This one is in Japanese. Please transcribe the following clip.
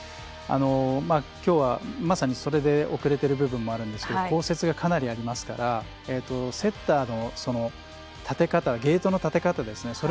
今日はまさにそれで遅れてる部分あるんですけど降雪がかなりありますからセッターの立て方ゲートの立て方ですね。